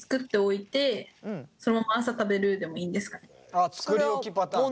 ああ作り置きパターンね。